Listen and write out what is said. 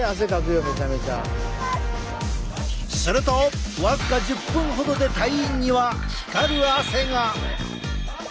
すると僅か１０分ほどで隊員には光る汗が！